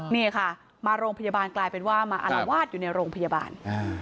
นี่ค่ะมาโรงพยาบาลกลายเป็นว่ามาอารวาสอยู่ในโรงพยาบาล